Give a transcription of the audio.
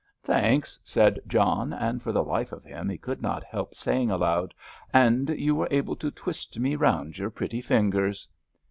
"Thanks," said John, and for the life of him he could not help saying aloud, "and you were able to twist me round your pretty fingers!"